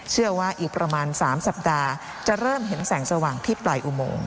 เชื่อว่าอีกประมาณ๓สัปดาห์จะเริ่มเห็นแสงสว่างที่ปล่อยอุโมง